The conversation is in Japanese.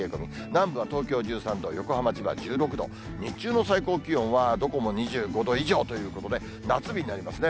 南部は東京１３度、横浜、千葉、１６度、日中の最高気温は、どこも２５度以上ということで、夏日になりますね。